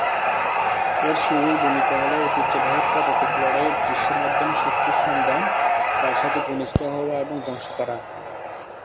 এর শুরুর ভূমিকা হল ঐতিহ্যবাহী পদাতিক লড়াইয়ের দৃশ্যের মাধ্যমে শত্রুর সন্ধান, তার সাথে ঘনিষ্ঠ হওয়া এবং ধ্বংস করা।